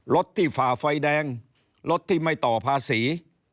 รถที่ฝ่าไฟแดงรถที่ไม่ต่อภาษี